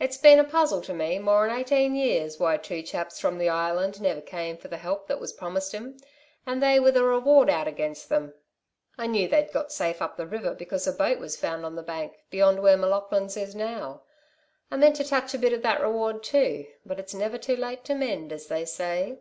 It's been a puzzle to me, more'n eighteen years, why two chaps from the Island never came for the help that was promised 'm, and they with a reward out against them. I knew they'd got safe up the river because a boat was found on the bank, beyond where M'Laughlin's is now. I meant to touch a bit of that reward, too, but it's never too late to mend, as they say."